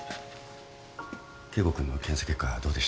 圭吾君の検査結果どうでした？